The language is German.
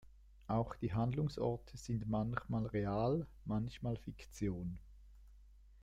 Auch die Handlungsorte sind manchmal real, manchmal Fiktion.